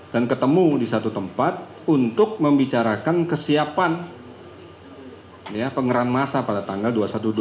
dan ketemu di satu tempat untuk membicarakan kesiapan ya pengeran masa pada tanggal dua ribu satu ratus dua puluh dua